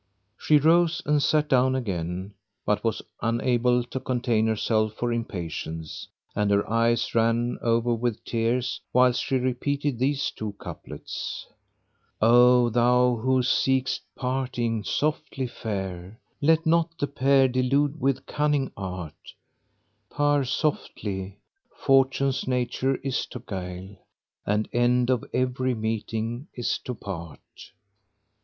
She rose and sat down again, but was unable to contain herself for impatience, and her eyes ran over with tears, whilst she repeated these two couplets, "O thou who seekest parting, softly fare! * Let not the Pair delude with cunning art: Pare softly, Fortune's nature is to 'guile, * And end of every meeting is to part."